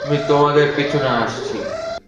আমি তোমাদের পেছনে আসছি।